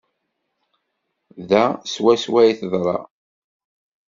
Da swaswa i d-teḍra.